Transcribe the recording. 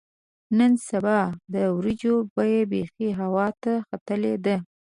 نن سبا د وریجو بیه بیخي هوا ته ختلې ده.